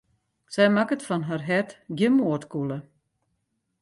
Sy makket fan har hert gjin moardkûle.